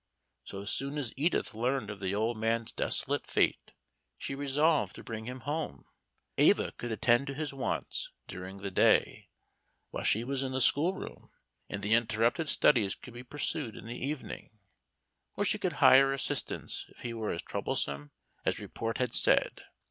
So soon as Edith learned of the old man's desolate fate, she resolved to bring him home. Eva could attend to his wants during the day, while she was in the school room, and the interrupted studies could be pursued in the evening. Or she could hire assistance if he were as troublesome as report had said.